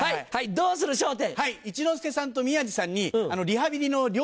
どうする笑点！